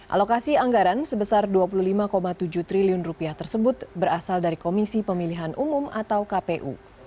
alokasi anggaran sebesar rp dua puluh lima tujuh triliun tersebut berasal dari komisi pemilihan umum atau kpu